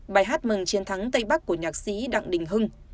bài hát mừng chiến thắng tây bắc của nhạc sĩ đặng đình hưng